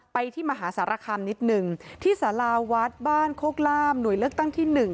ที่มหาสารคามนิดหนึ่งที่สาราวัดบ้านโคกล่ามหน่วยเลือกตั้งที่๑